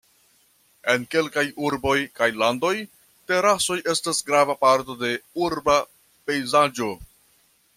En kelkaj urboj kaj landoj terasoj estas grava parto de urba pejzaĝo.